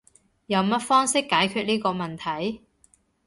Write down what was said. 有乜方式解決呢個問題？